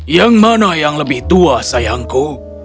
yang mana yang lebih tua sayangku